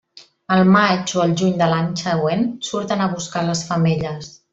Al maig o al juny de l'any següent surten a buscar les femelles.